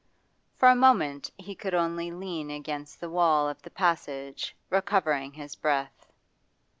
For a moment he could only lean against the wall of the passage, recovering his breath.